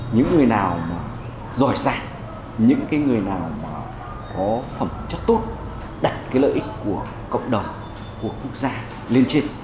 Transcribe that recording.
những người nào mà giỏi giả những người nào mà có phẩm chất tốt đặt cái lợi ích của cộng đồng của quốc gia lên trên